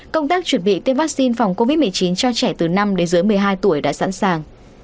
công tác chuẩn bị tiêm vaccine phòng covid một mươi chín cho trẻ từ năm đến dưới một mươi hai tuổi đã sẵn sàng